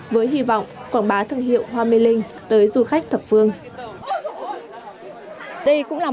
với hy vọng quảng bá thương hiệu hoa mê linh tới du khách thập phương